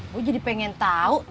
gue jadi pengen tau